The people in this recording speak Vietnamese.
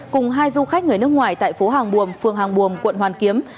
cùng hai du khách người nước ngoài tại phố hàng buồm phường hàng buồm quận hoàn kiếm